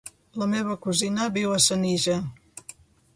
La meva cosina viu a Senija.